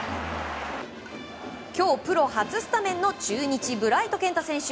今日プロ初スタメンの中日、ブライト健太選手。